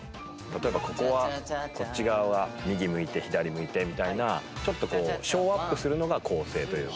例えばここはこっち側は右向いて左向いてみたいなちょっとショーアップするのが構成というか。